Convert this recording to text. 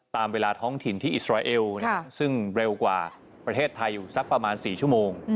ตามเวลาท้องถิ่นที่อิสราเอลซึ่งเร็วกว่าประเทศไทยอยู่สักประมาณ๔ชั่วโมง